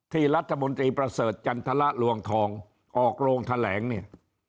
รัฐมนตรีประเสริฐจันทรลวงทองออกโรงแถลงเนี่ย